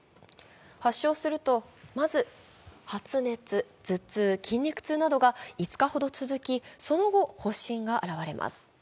発症すると、まず、発熱、頭痛、筋肉痛などが５日ほど続き、その後、発疹が始まります。